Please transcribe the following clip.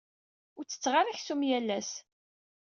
Ur tetteɣ ara aksum yal ass.